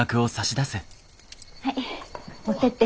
はい持ってって。